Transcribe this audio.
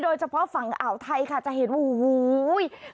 โดยเฉพาะฝั่งอ่าวไทยค่ะจะเห็นว่า